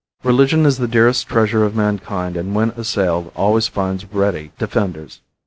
Religion is the dearest treasure of mankind, and when assailed always finds ready defenders.